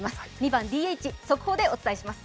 ２番・ＤＨ、速報でお伝えします。